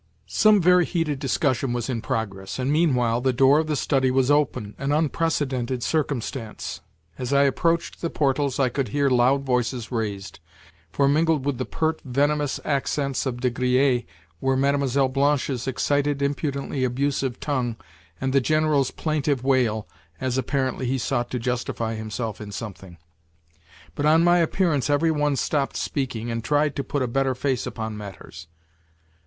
Some very heated discussion was in progress, and meanwhile the door of the study was open—an unprecedented circumstance. As I approached the portals I could hear loud voices raised, for mingled with the pert, venomous accents of De Griers were Mlle. Blanche's excited, impudently abusive tongue and the General's plaintive wail as, apparently, he sought to justify himself in something. But on my appearance every one stopped speaking, and tried to put a better face upon matters.